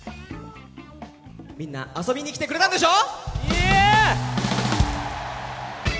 みんな遊びに来てくれたんでしょ？